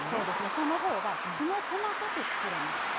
その方がきめ細かく作れます。